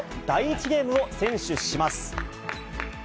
第１ゲームを先取します。